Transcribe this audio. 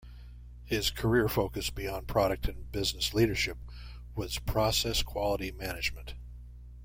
His career focus beyond product and business leadership was process quality management.